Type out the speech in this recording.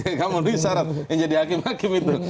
nggak memenuhi syarat yang jadi hakim hakim itu